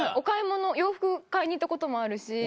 洋服買いに行ったこともあるし。